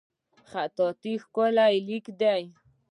خطاطي ښکلی لیکل دي